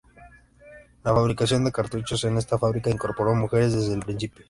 La fabricación de cartuchos en esta fábrica incorporó mujeres desde el principio.